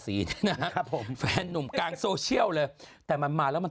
นะครับผมแฟนนุ่มกลางโซเชียลเลยแต่มันมาแล้วมัน